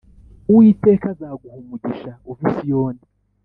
Uwiteka azaguha umugisha uva i Siyoni